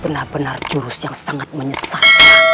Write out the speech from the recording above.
benar benar jurus yang sangat menyesat